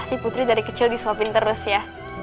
pasti putri dari kecil disuapin terus ya